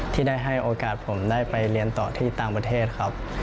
ที่ได้ให้โอกาสผมได้ไปเรียนต่อที่ต่างประเทศครับ